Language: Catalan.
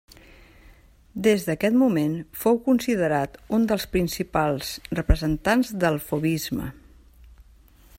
Des d'aquest moment fou considerat un dels principals representants del fauvisme.